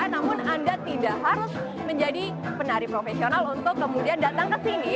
namun anda tidak harus menjadi penari profesional untuk kemudian datang ke sini